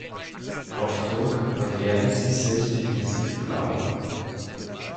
Auf Druck verfärben sie sich intensiv blau.